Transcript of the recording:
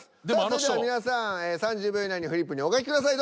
それでは皆さん３０秒以内にフリップにお書きください。